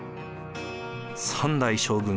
３代将軍